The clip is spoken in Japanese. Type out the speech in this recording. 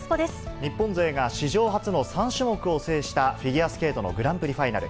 日本勢が史上初の３種目を制したフィギュアスケートのグランプリファイナル。